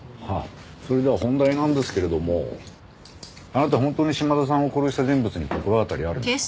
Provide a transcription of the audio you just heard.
それでは本題なんですけれどもあなた本当に島田さんを殺した人物に心当たりあるんですか？